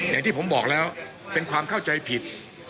อย่างที่ผมบอกแล้วเป็นความเข้าใจผิด